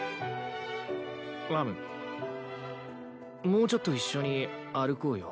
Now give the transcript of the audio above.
もうちょっと一緒に歩こうよ。